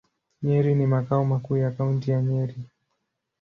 Nyeri ni makao makuu ya Kaunti ya Nyeri.